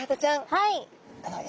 はい。